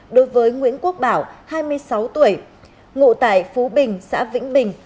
đối với nguyễn quốc bảo hai mươi sáu tuổi ngụ tại phú bình xã vĩnh bình